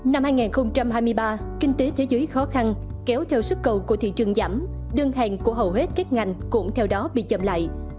năm hai nghìn hai mươi ba kinh tế thế giới khó khăn kéo theo sức cầu của thị trường giảm đơn hàng của hầu hết các ngành cũng theo đó bị chậm lại